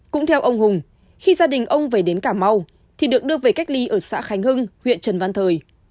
cũng theo ông hùng khi gia đình ông về đến cà mau thì được đưa về cách ly ở xã khánh hưng huyện trần văn thời